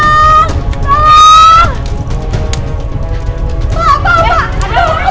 tawa kebakaran pak